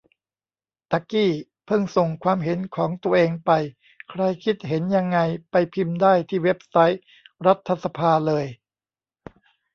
ตะกี้เพิ่งส่งความเห็นของตัวเองไป ใครคิดเห็นยังไง ไปพิมพ์ได้ที่เว็บไซต์รัฐสภาเลย